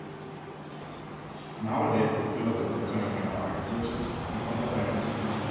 Nowadays, the pillars of the economy are agriculture and other alimentary industries, and construction.